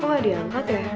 kok gak diangkat ya